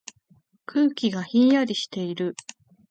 空気がひんやりしている。